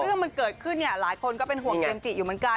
เรื่องมันเกิดขึ้นเนี่ยหลายคนก็เป็นห่วงเจมส์จิอยู่เหมือนกัน